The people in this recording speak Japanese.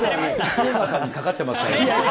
福岡さんにかかってますから。